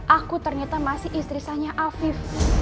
aku ternyata masih istri saya afif